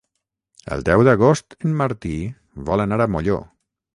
El deu d'agost en Martí vol anar a Molló.